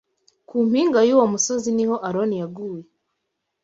Ku mpinga y’uwo musozi ni ho Aroni yaguye